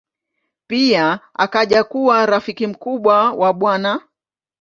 Pia akaja kuwa rafiki mkubwa wa Bw.